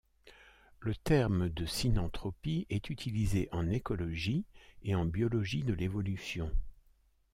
Le terme de synanthropie est utilisé en écologie et en biologie de l'évolution.